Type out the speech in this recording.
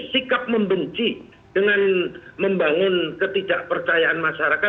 sikap membenci dengan membangun ketidakpercayaan masyarakat